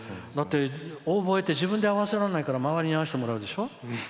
だって、オーボエって自分で合わせられないから周りに合わせられないでしょ